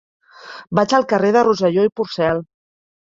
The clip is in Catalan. Vaig al carrer de Rosselló i Porcel.